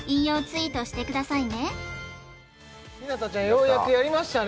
ようやくやりましたね